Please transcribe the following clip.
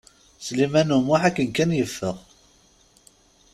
Sliman U Muḥ akken kan yeffeɣ.